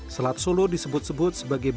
selat solo disebut sebut sebagai